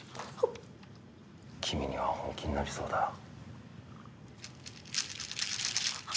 君には本気になりそうだ。